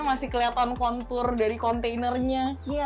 masih kelihatan kontur dari kontainernya